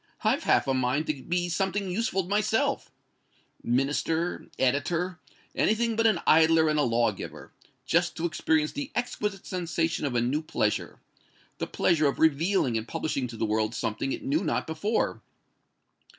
"I've half a mind to be something useful myself Minister editor anything but an idler and a law giver just to experience the exquisite sensation of a new pleasure the pleasure of revealing and publishing to the world something it knew not before.